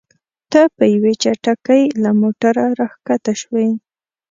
ته په یوې چټکۍ له موټره راښکته شوې.